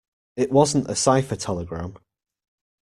It wasn't a cipher telegram.